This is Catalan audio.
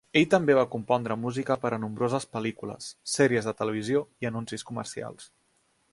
Ell també va compondre música per a nombroses pel·lícules, sèries de televisió i anuncis comercials.